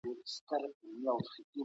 د بل حق مه غصب کوئ.